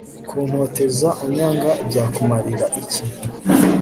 Kuntoteza unyanga byakumarira iki